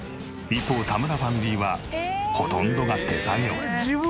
一方田村ファミリーはほとんどが手作業。